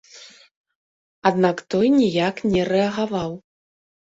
Аднак той ніяк не рэагаваў.